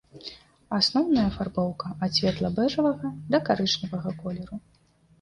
Асноўная афарбоўка ад светла-бэжавага да карычневага колеру.